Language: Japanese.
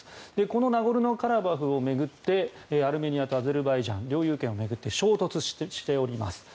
このナゴルノカラバフを巡ってアルメニアとアゼルバイジャンが領有権を巡って衝突しています。